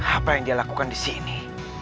apa yang dia lakukan disini